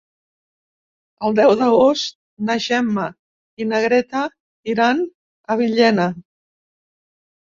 El deu d'agost na Gemma i na Greta iran a Villena.